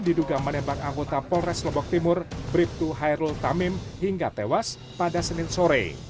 diduga menembak anggota polres lombok timur bribtu hairul tamim hingga tewas pada senin sore